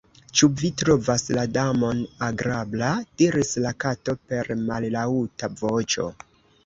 "Ĉu vi trovas la Damon agrabla?" diris la Kato per mallaŭta voĉo.